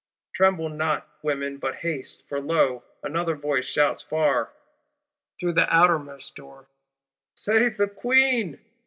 Tremble not, women, but haste: for, lo, another voice shouts far through the outermost door, 'Save the Queen!